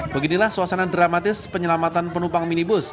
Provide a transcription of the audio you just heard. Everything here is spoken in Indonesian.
beginilah suasana dramatis penyelamatan penumpang minibus